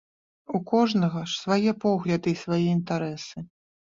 У кожнага ж свае погляды і свае інтарэсы.